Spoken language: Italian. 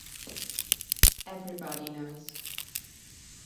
Everybody Knows